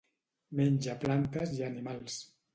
Menja plantes i animals.